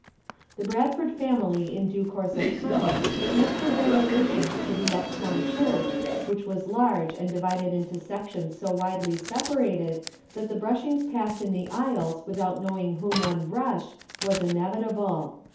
The Bradford family in due course of time transferred their relations to the up town church, which was large and divided into sec tions so widely separated that the brushings past in the aisles without knowing whom one brushed was inevitable.